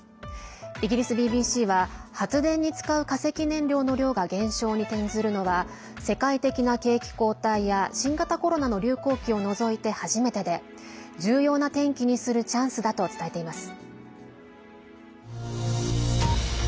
イギリスＢＢＣは、発電に使う化石燃料の量が減少に転ずるのは世界的な景気後退や新型コロナの流行期を除いて初めてで重要な転機にするチャンスだと伝えています。